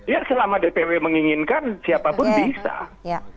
ya selama dpw menginginkan siapapun bisa